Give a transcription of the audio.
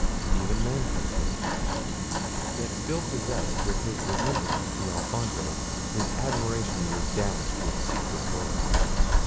Even Manfred was touched—yet still possessed with his resemblance to Alfonso, his admiration was dashed with secret horror.